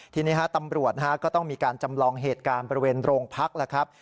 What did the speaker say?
ทีนี้ตำรวจก็ต้องมีการจำลองเหตุการณ์บริเวณโรงพักแล้วครับ